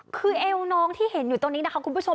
คือเอวน้องที่เห็นอยู่ตรงนี้นะคะคุณผู้ชม